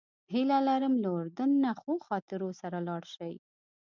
هیله لرم له اردن نه ښو خاطرو سره لاړ شئ.